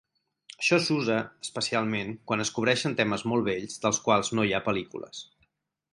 Això s'usa especialment quan es cobreixen temes molt vells dels quals no hi ha pel·lícules.